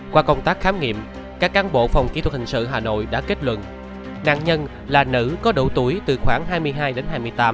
qua công tác khám nghiệm các cán bộ phòng kỹ thuật hình sự hà nội đã kết luận nạn nhân là nữ có độ tuổi từ khoảng hai mươi hai đến hai mươi tám